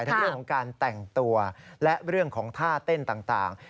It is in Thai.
ทั้งเรื่องของการแต่งตัวและเรื่องของท่าเต้นต่าง